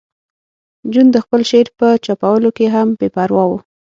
جون د خپل شعر په چاپولو کې هم بې پروا و